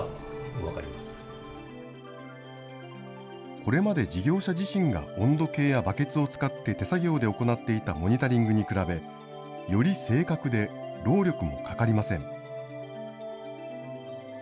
これまで事業者自身が温度計やバケツを使って手作業で行っていたモニタリングに比べ、より正確で労力もかかりません。